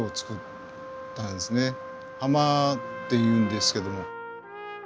「ハマ」って言うんですけども。